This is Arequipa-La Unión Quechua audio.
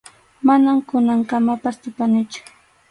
Manam kunankamapas tupanichu.